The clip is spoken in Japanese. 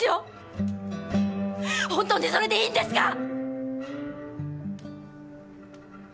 ホントにそれでいいんですか！？